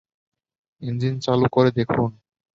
Engine চালু করে দেখুন।